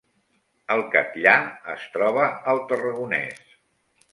El Catllar es troba al Tarragonès